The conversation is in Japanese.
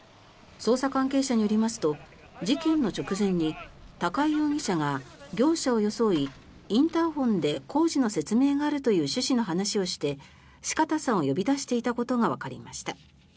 捜査関係者によりますと事件の直前に高井容疑者が業者を装いインターホンで工事の説明があるという趣旨の話をして四方さんを呼び出していたことがわかりました。